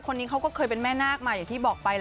คนนี้เขาก็เคยเป็นแม่นาคมาอย่างที่บอกไป